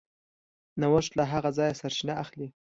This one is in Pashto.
نوښت له هغه ځایه سرچینه اخلي.